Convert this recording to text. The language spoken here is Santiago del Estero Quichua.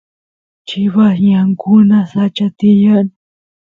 chivas ñankuna sacha tiyan